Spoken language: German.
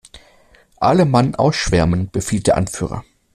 "Alle Mann ausschwärmen!", befiehlt der Anführer.